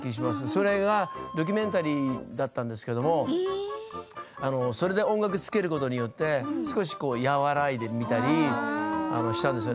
それがドキュメンタリーだったんですけれどそれで音楽をつけることによって少し和らいでみたりしたんです。